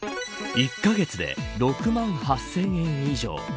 １カ月で６万８０００円以上。